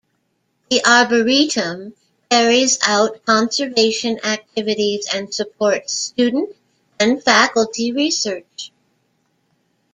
The Arboretum carries out conservation activities and supports student and faculty research.